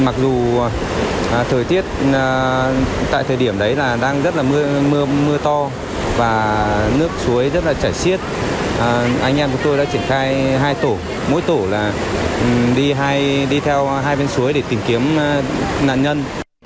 mặc dù thời tiết tại thời điểm đấy là đang rất là mưa to và nước suối rất là chảy xiết anh em của tôi đã triển khai hai tổ mỗi tổ là đi theo hai bên suối để tìm kiếm nạn nhân